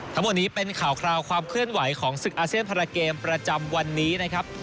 ทั้งหมดนี้เป็นข่าวคราวความเคลื่อนไหวของศึกอาเซียนพาราเกมประจำวันนี้นะครับ